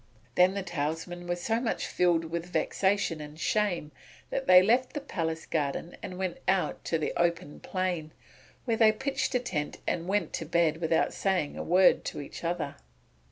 Then the talesmen were so much filled with vexation and shame that they left the palace garden and went out into the open plain, where they pitched a tent and went to bed without saying a word to each other.